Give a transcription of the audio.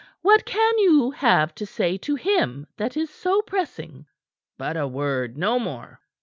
What can you have to say to him that is so pressing?" "But a word no more."